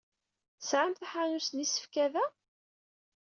Tesɛam taḥanut n yisefka da?